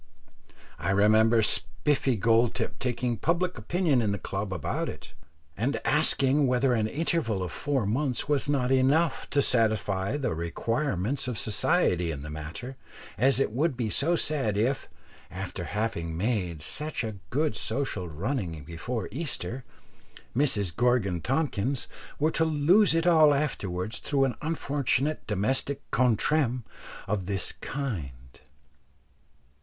I remember Spiffy Goldtip taking public opinion in the club about it, and asking whether an interval of four months was not enough to satisfy the requirements of society in the matter, as it would be so sad if, after having made such good social running before Easter, Mrs Gorgon Tompkins were to lose it all afterwards through an unfortunate domestic contretemps of this kind.